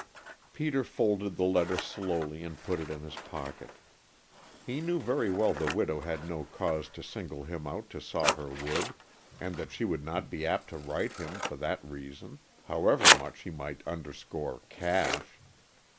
Peter folded the letter slowly and put it in his pocket. He knew very well the widow had no cause to single him out to saw her wood, and that she would not be apt to write him for that reason, howevermuch she might underscore "cash."